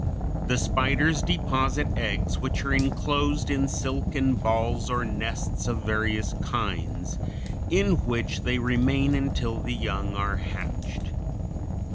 The spiders deposit eggs which are inclosed in silken balls or nests of various kinds, in which they remain until the young are hatched.